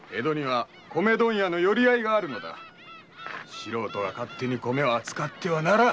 素人が勝手に米を扱ってはならん。